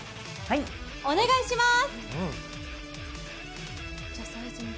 お願いします。